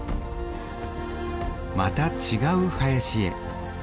また違う林へ。